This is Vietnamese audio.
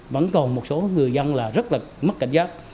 vẫn còn một số người dân là rất là mất cảnh giác